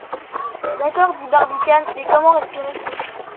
D’accord, dit Barbicane, mais comment respirer ?